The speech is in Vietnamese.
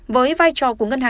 với vai trò của ngân hàng